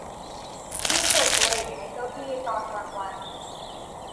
ฉันสูบบุหรี่ในเก้าอี้ตอนกลางวัน